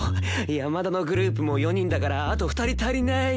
山田のグループも４人だからあと２人足りない。